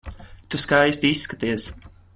Tu skaisti izskaties.